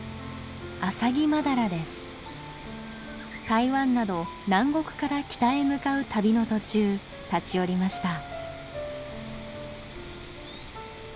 台湾など南国から北へ向かう旅の途中立ち寄りました。